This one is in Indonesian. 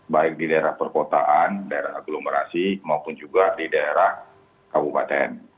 baik di daerah perkotaan daerah agglomerasi maupun juga di daerah kabupaten